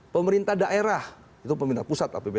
pemerintah daerah itu pemerintah pusat apbn